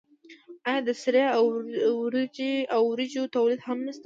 آیا د سرې او وریجو تولید هم نشته؟